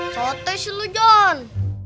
sotek sih lu jon